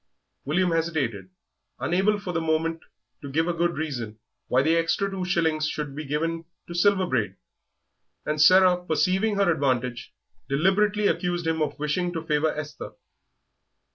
William hesitated, unable for the moment to give a good reason why the extra two shillings should be given to Silver Braid; and Sarah, perceiving her advantage, deliberately accused him of wishing to favour Esther.